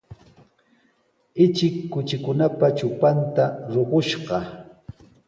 Ichik kuchikunapa trupanta ruqushqa.